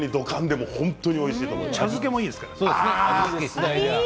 お茶漬けもいいですから。